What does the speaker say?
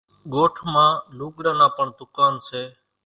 ڳوٺ مان لوُڳران نان پڻ ۮُڪانَ سي۔